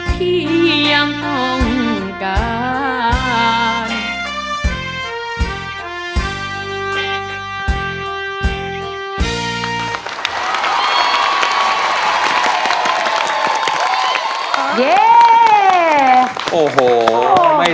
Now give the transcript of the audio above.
พี่ยังต้องการ